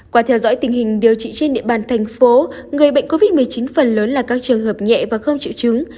qua theo dõi tình hình điều trị trên địa bàn thành phố người bệnh covid một mươi chín phần lớn là các trường hợp nhẹ và không chịu chứng